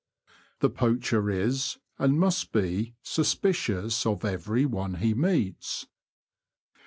The poacher is and must be suspicious of everyone he meets.